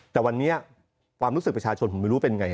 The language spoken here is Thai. แต่วันนี้ความรู้สึกประชาชนผมไม่รู้เป็นไง